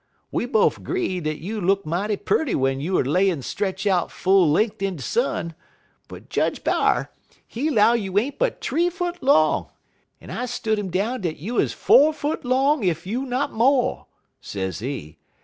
We bofe 'gree dat you look mighty purty w'en youer layin' stretch out full lenk in de sun; but Jedge B'ar, he 'low you ain't but th'ee foot long, en I stood 'im down dat you 'uz four foot long ef not mo',' sezee.